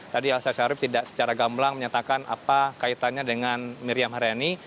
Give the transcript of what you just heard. tadi elsa syarif tidak secara gamblang menyatakan apa kaitannya dengan miriam haryani